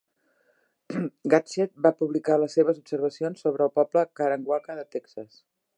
Gatschet va publicar les seves observacions sobre el poble Karankawa de Texas.